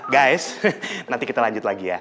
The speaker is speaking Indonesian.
guys nanti kita lanjut lagi ya